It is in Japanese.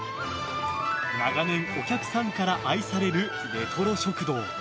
長年お客さんから愛されるレトロ食堂。